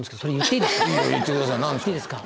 いいですか。